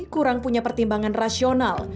kurang punya pertimbangan rasional